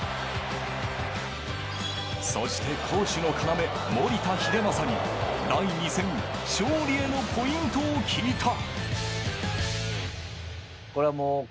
そして、攻守の要・守田英正に第２戦、勝利へのポイントを聞いた。